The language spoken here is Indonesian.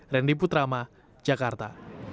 randy putrama jakarta